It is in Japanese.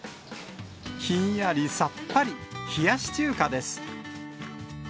ひんやり、さっぱり、冷やし中華です。